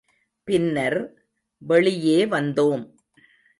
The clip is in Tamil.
பின்னர், வெளியே வந்தோம்.